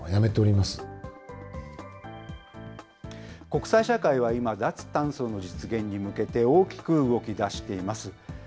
国際社会は今、脱炭素の実現に向けて、大きく動きだしています。